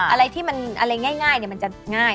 อะไรที่มันอะไรง่ายมันจะง่าย